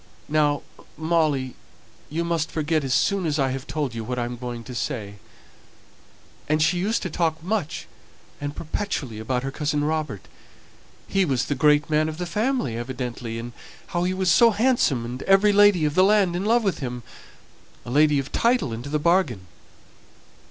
Now, Molly, you must forget as soon as I've told you what I'm going to say; and she used to talk so much and perpetually about her cousin Robert he was the great man of the family, evidently and how he was so handsome, and every lady of the land in love with him, a lady of title into the bargain."